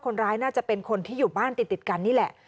คนร้ายน่าจะเป็นคนที่อยู่บ้านติดกันนี่แหละ